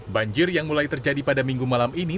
banjir yang mulai terjadi pada minggu malam ini